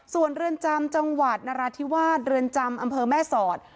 ส่วนเรือนจำจังหวัดนราธิวาสเรือนจำอำเภอแม่สอด